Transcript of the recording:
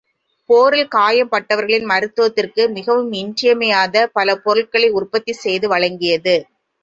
போரில் காயம்பட்டவர்களின் மருத்துவத்திற்கு மிகவும் இன்றியமையாத பல பொருள்களை உற்பத்தி செய்து வழங்கியது.